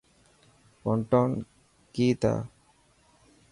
پونٽون ڪي تا.